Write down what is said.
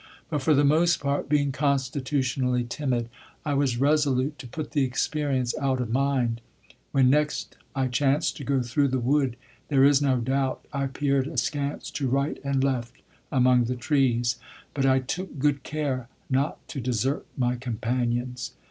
But for the most part, being constitutionally timid, I was resolute to put the experience out of mind. When next I chanced to go through the wood there is no doubt I peered askance to right and left among the trees; but I took good care not to desert my companions.